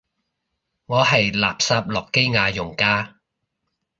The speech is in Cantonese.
我係垃圾諾基亞用家